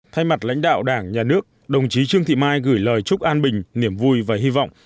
thay mặt lãnh đạo đảng nhà nước đồng chí trương thị mai gửi lời chúc an bình niềm vui và hy vọng